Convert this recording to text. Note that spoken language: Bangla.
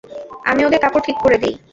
আমি ওদের কাপড় ঠিক করে দেই।